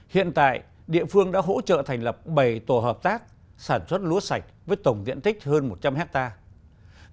hiện tại địa phương đã hỗ trợ thành lập bảy tổ hợp tác sản xuất lúa sạch với tổng diện tích hơn một trăm linh hectare